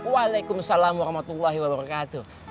waalaikumsalam warahmatullahi wabarakatuh